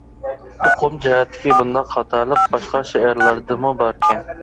ئۇقۇم جەھەتتىكى بۇنداق خاتالىق باشقا شېئىرلاردىمۇ باركەن.